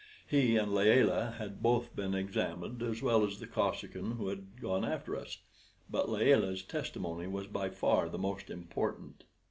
He and Layelah had both been examined, as well as the Kosekin who had gone after us; but Layelah's testimony was by far the most important.